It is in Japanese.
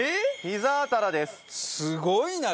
すごいな。